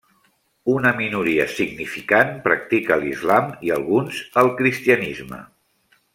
Una minoria significant practica l'islam i alguns el cristianisme.